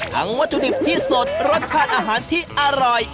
วัตถุดิบที่สดรสชาติอาหารที่อร่อย